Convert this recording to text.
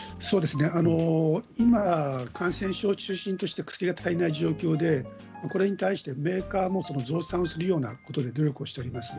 今、感染症を中心とした薬が足りない状況でこれに対してメーカーも増産するようなことで努力しております。